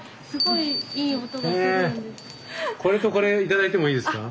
これとこれ頂いてもいいですか？